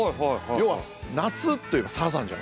要は夏といえばサザンじゃない。